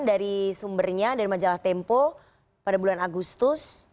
dari sumbernya dari majalah tempo pada bulan agustus